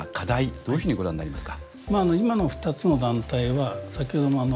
どういうふうにご覧になりますか。